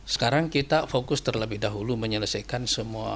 sekarang kita fokus terlebih dahulu menyelesaikan semua